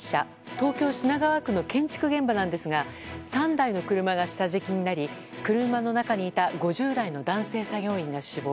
東京・品川区の建築現場なんですが３台の車が下敷きになり車の中にいた５０代の男性作業員が死亡。